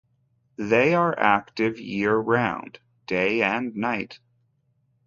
They are active year-round, day and night.